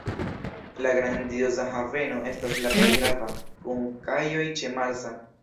La Grandioza Haveno estas la pli grava, kun kajoj ĉe Marsa.